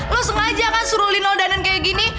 lo sengaja kan suruh lino danon kayak gini